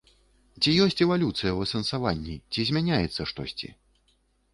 Ці ёсць эвалюцыя ў асэнсаванні, ці змяняецца штосьці?